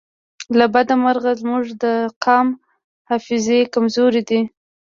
له بده مرغه زموږ د قام حافظې کمزورې دي